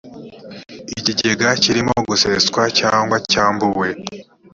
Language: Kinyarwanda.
ikigega kirimo guseswa cyangwa cyambuwe